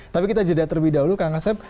tapi kita jeda terlebih dahulu kang asep